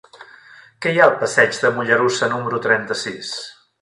Què hi ha al passeig de Mollerussa número trenta-sis?